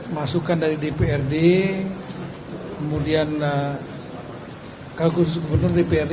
masukan dari dprd kemudian kagum sepenuhnya dari dprd